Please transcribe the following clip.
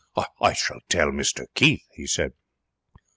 'I shall tell Mr Keith,' he said.